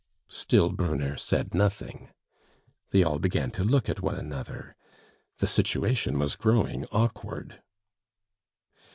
Still Brunner said nothing. They all began to look at one another. The situation was growing awkward.